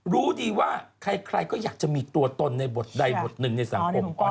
รู้ดีว่าใครก็อยากจะมีตัวตนในบทใดบทหนึ่งในสังคมออน